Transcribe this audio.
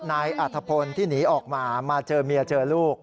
นายอัธพลที่หนีออกมามาเจอเมียเจอลูก